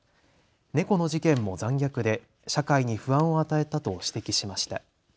猫の事件も残虐で社会に不安を与えたと指摘しました。